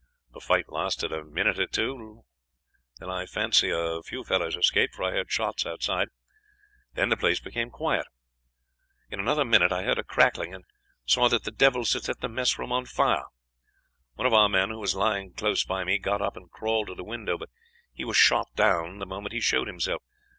The fight lasted a minute or two longer. I fancy a few fellows escaped, for I heard shots outside. Then the place became quiet. In another minute I heard a crackling, and saw that the devils had set the mess room on fire. One of our men, who was lying close by me, got up and crawled to the window, but he was shot down the moment he showed himself.